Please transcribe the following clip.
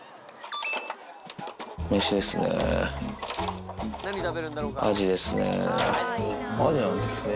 飯ですね。